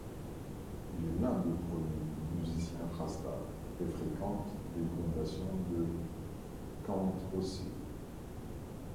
Il est l'un des premiers musiciens rasta et fréquente les groundations de Count Ossie.